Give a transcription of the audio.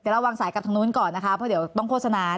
เราวางสายกับทางนู้นก่อนนะคะเพราะเดี๋ยวต้องโฆษณา